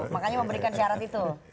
makanya memberikan syarat itu